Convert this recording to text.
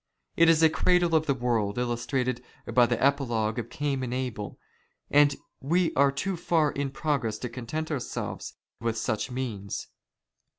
It is the cradle of the " world, illustrated by the epilogue of Cain and Abel, and we *' are too far in progress to content ourselves with such means.